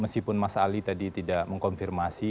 meskipun mas ali tadi tidak mengkonfirmasi